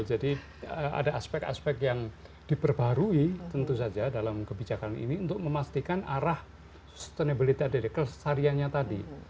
jadi ada aspek aspek yang diperbarui tentu saja dalam kebijakan ini untuk memastikan arah sustainability dari kelestariannya tadi